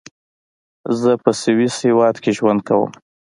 زۀ پۀ سويس هېواد کې ژوند کوم.